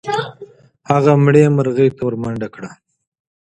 هغه مړې مرغۍ ته ورمنډه کړه.